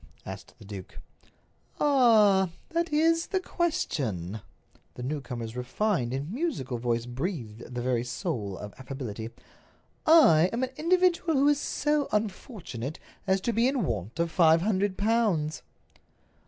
asked the duke. "Ah—that is the question!" The newcomer's refined and musical voice breathed the very soul of affability. "I am an individual who is so unfortunate as to be in want of five hundred pounds."